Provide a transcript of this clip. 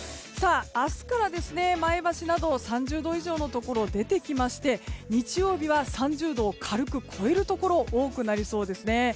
明日から前橋など３０度以上のところが出てきまして日曜日は３０度を軽く超えるところが多くなりそうですね。